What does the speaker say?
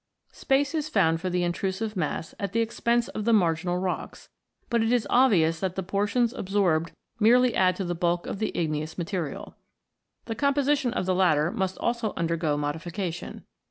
Space is found for the intrusive mass at the expense of the marginal rocks ; but it is obvious that the portions absorbed merely add to the bulk of the igneous material. The composition of the latter must also undergo modification.